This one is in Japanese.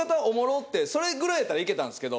ってそれぐらいやったらいけたんですけど